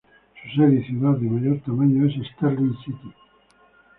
Su sede y ciudad de mayor tamaño es Sterling City.